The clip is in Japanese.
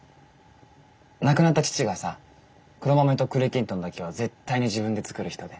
亡くなった父がさ黒豆と栗きんとんだけは絶対に自分で作る人で。